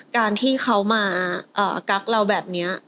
การที่เขามากักเราแบบนี้